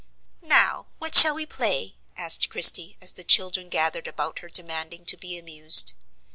"Now, what shall we play?" asked Christie, as the children gathered about her demanding to be amused.